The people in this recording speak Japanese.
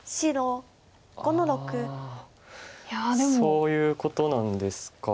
そういうことなんですか。